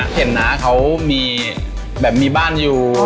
เห็นนะเขามีแบบมีบ้านอยู่